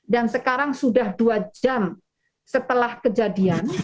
dan sekarang sudah dua jam setelah kejadian